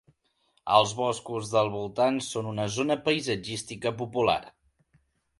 Els boscos del voltant són una zona paisatgística popular.